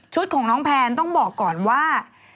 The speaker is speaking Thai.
ของน้องแพนต้องบอกก่อนว่า